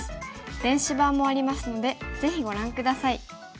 電子版もありますのでぜひご覧下さい。